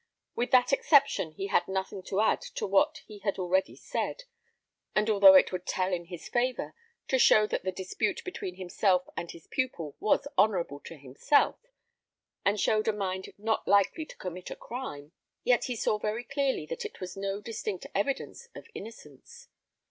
With that exception he had nothing to add to what he had already said; and although it would tell in his favour to show that the dispute between himself and his pupil was honourable to himself, and showed a mind not likely to commit a crime, yet he saw very clearly that it was no distinct evidence of innocence.